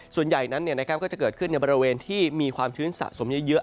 ส่วนใหญ่นั้นก็จะเกิดขึ้นในบริเวณที่มีความชื้นสะสมเยอะ